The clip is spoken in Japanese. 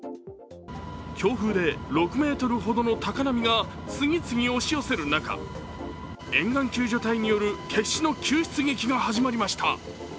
強風で６メートルほどの高波が次々押し寄せる中、沿岸救助隊による決死の救出劇が始まりました。